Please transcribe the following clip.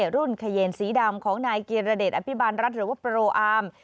รุ่นเขยนสีดำของนายกิรเดชอภิบาลรัฐหรือว่าโปรอาร์ม